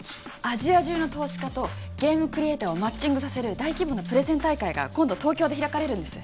アジア中の投資家とゲームクリエイターをマッチングさせる大規模なプレゼン大会が今度東京で開かれるんです